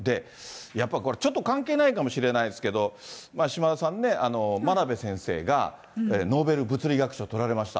やっぱりこれはちょっと関係ないかもしれないですけれども、島田さんね、真鍋先生がノーベル物理学賞をとられました。